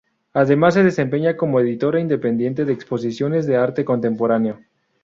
Además se desempeña como editora independiente de exposiciones de arte contemporáneo.